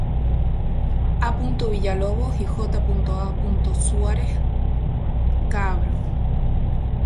A. Villalobos y J. A. Suárez-Caabro.